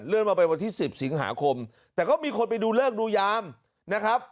มาเป็นวันที่๑๐สิงหาคมแต่ก็มีคนไปดูเลิกดูยามนะครับ